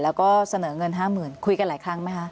แล้วก็เสนอเงิน๕๐๐๐คุยกันหลายครั้งไหมคะ